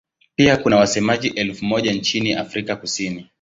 Pia kuna wasemaji elfu moja nchini Afrika Kusini.